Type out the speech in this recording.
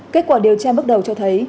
kết quả điều tra bước đầu cho thấy